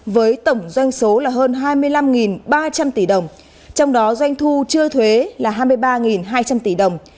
với tổng doanh số là hơn hai mươi năm ba trăm linh tỷ đồng trong đó doanh thu chưa thuế là hai mươi ba hai trăm linh tỷ đồng